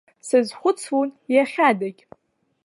Сазхәыцлон иахьадагь.